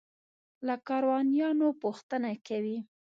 له کاروانیانو پوښتنه کوي.